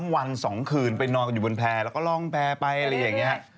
วัน๒คืนไปนอนกันอยู่บนแพร่แล้วก็ล่องแพร่ไปอะไรอย่างนี้